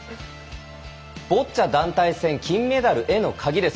ボッチャ団体戦金メダルへのカギです。